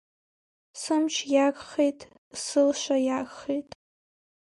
Сымч иагхеит, сылша иагхеит…